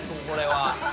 これは。